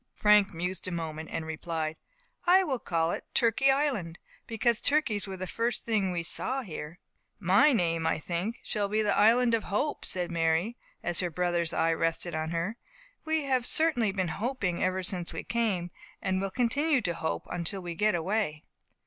Frank mused a moment, and replied, "I will call it Turkey Island; because turkeys were the first thing we saw here." "My name, I think, will be the Island of Hope," said Mary, as her brother's eye rested on her. "We have certainly been hoping ever since we came, and will continue to hope until we get away."